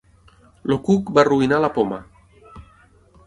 El cuc va arruïnar la Poma.